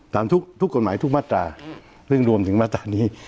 ทุกกฎหมายทุกมาตราซึ่งรวมถึงมาตรานี้